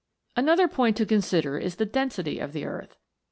Another point to consider is the density of the earth.